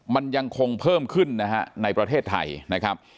มันยังคงเพิ่มขึ้นนะฮะในประเทศไทยนะครับ